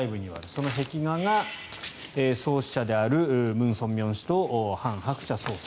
その壁画が創始者であるムン・ソンミョン氏とハン・ハクチャ総裁。